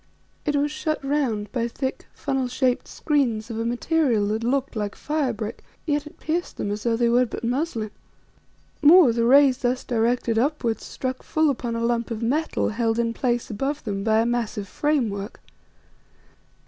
It was shut round by thick, funnel shaped screens of a material that looked like fire brick, yet it pierced them as though they were but muslin. More, the rays thus directed upwards struck full upon a lump of metal held in place above them by a massive frame work.